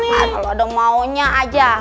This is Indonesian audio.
kalau ada maunya aja